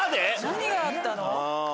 何があったの？